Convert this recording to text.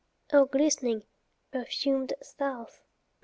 O glistening, perfumed South!